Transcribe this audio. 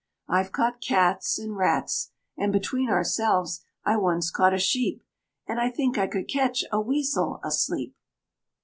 I've caught cats, And rats, And (between ourselves) I once caught a sheep, And I think I could catch a weasel asleep."